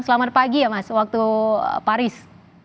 selamat pagi ya mas waktu paris